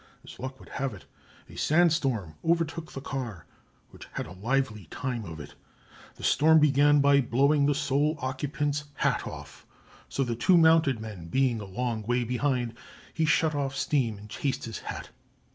As luck would have it, a sandstorm overtook the car, which had a lively time of it. The storm began by blowing the sole occupant's hat off, so, the two mounted men being a long way behind, he shut off steam and chased his hat.